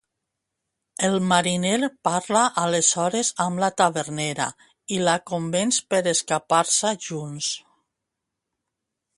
El mariner parla aleshores amb la tavernera i la convenç per escapar-se junts.